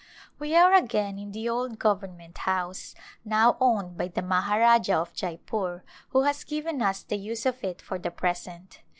We are again in the old Government House, now owned by the Maharajah of Jeypore who has given us the use of it for the present.